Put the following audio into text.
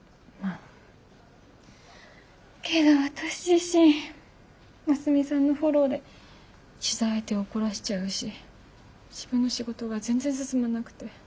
けど私自身ますみさんのフォローで取材相手を怒らせちゃうし自分の仕事が全然進まなくて。